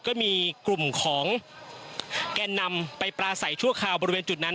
ก็มีกลุ่มของแกนนำไปปลาใสชั่วคราวบริเวณจุดนั้น